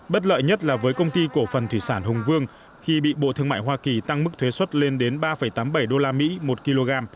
bất lợi nhất là với công ty cổ phần thủy sản hùng vương khi bị bộ thương mại hoa kỳ tăng mức thuế xuất lên đến ba tám mươi bảy usd một kg